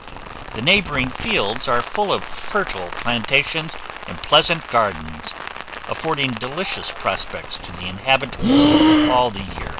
The neighbouring fields are full of fertile plantations and pleasant gardens, affording delicious prospects to the inhabitants all the year.